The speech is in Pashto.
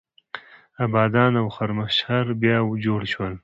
ابادان او خرمشهر بیا جوړ شول.